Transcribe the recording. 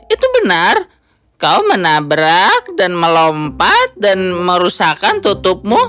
itu benar kau menabrak dan melompat dan merusakan tutupmu